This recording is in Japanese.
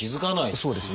そうですね。